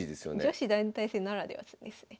女子団体戦ならではですね。